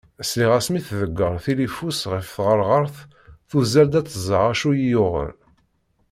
Sliɣ-as mi tḍegger tilifu-s ɣef tɣerɣert tuzzel-d ad tẓer acu yi-yuɣen.